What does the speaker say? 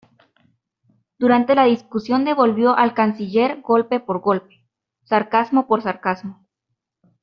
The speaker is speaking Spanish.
Durante la discusión devolvió al canciller golpe por golpe, sarcasmo por sarcasmo.